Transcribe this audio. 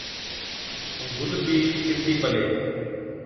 ائُون گُل بِي ڪِرتِي پلي۔